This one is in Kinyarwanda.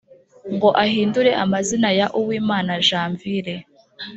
ngo ahindure amazina ya uwimana janvi re